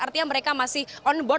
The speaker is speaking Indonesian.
artinya mereka masih online